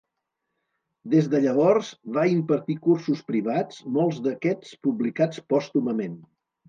Des de llavors, va impartir cursos privats, molts d'aquests publicats pòstumament.